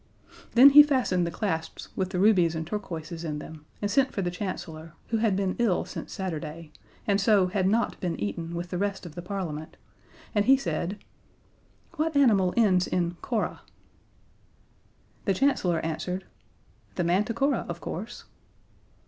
Then he fastened the clasps with the rubies and turquoises in them and sent for the Chancellor, who had been ill since Saturday, and so had not been eaten with the rest of the Parliament, and he said: "What animal ends in 'cora'?" The Chancellor answered: "The Manticora, of course."